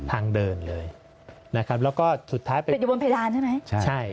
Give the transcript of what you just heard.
ทางเดินเลยนะครับแล้วก็สุดท้ายไปติดอยู่บนเพดานใช่ไหมใช่ใช่